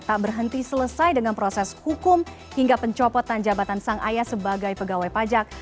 tak berhenti selesai dengan proses hukum hingga pencopotan jabatan sang ayah sebagai pegawai pajak